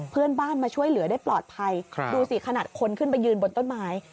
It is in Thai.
เพื่อนบ้านมาช่วยเหลือได้ปลอดภัยดูสิขนาดคนขึ้นไปยืนบนต้นไม้